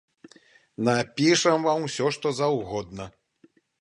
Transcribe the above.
Напішам вам усё, што заўгодна.